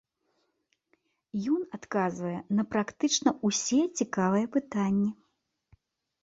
Ён адказвае на практычна ўсе цікавыя пытанні.